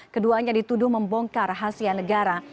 keduanya dituduh membongkar rahasia negara